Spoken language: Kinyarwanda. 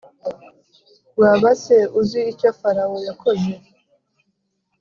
Waba se uzi icyo Farawo yakoze